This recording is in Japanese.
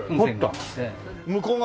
向こう側？